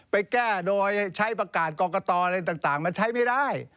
ไปแก้โดยใช้ประกาศกรกตอะไรต่างมันใช้ไม่ได้